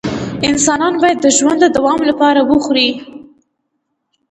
انسان باید د ژوند د دوام لپاره وخوري